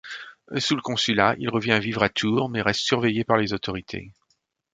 Sous le Consulat, il revient vivre à Tours mais reste surveillé par les autorités.